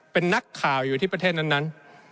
เป็นนักข่าวอยู่ที่ประเทศนั้น